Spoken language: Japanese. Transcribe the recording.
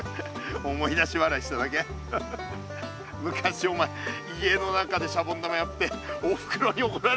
昔お前家の中でシャボン玉やっておふくろにおこられてたよな。